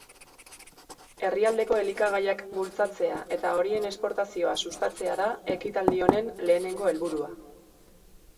Herrialdeko elikagaiak bultzatzea eta horien esportazioa sustatzea da ekitaldi honen lehenengo helburua.